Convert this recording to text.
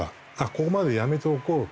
ここまででやめておこうと。